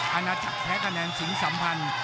อาณาจักรแพ้คะแนนสิงสัมพันธ์